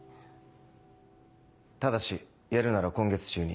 ただしやるなら今月中に。